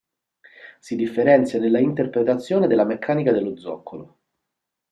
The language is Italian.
Si differenzia nella interpretazione della meccanica dello zoccolo.